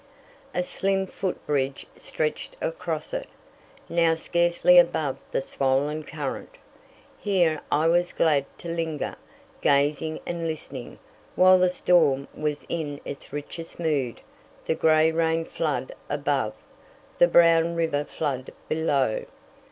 A slim foot bridge stretched across it, now scarcely above the swollen current. Here I was glad to linger, gazing and listening, while the storm was in its richest mood—the gray rain flood above, the brown river flood beneath.